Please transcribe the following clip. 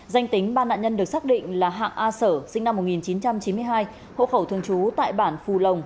danh tính ba nạn nhân được xác định là hạng a sở sinh năm một nghìn chín trăm chín mươi hai hộ khẩu thường trú tại bản phù lồng